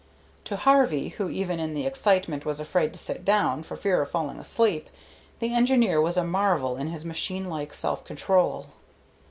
To Harvey, who even in the excitement was afraid to sit down for fear of falling asleep, the engineer was a marvel in his machine like self control.